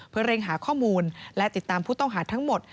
เพื่อเร่งหาข้อมูลและติดตามผู้ต้องหาทั้งหมด